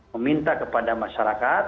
meminta kepada masyarakat